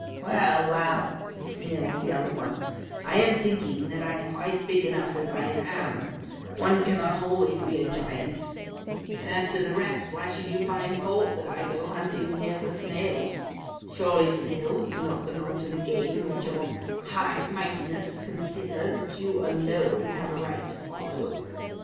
"Well, well," sneered the other one, "I am thinking that I am quite big enough as I am one cannot always be a giant. And as to the rest, why should you find fault that I go here hunting for snails? Surely snails do not belong to the game which your high mightinesses consider that you alone have a right to follow!